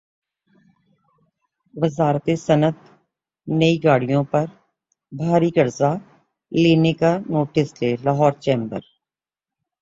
وزارت صنعت نئی گاڑیوں پر بھاری قرضہ لینے کا ںوٹس لے لاہور چیمبر